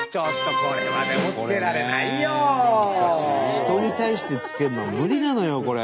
人に対してつけるのは無理なのよこれ。